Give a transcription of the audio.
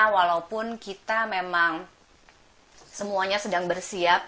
walaupun kita memang semuanya sedang bersiap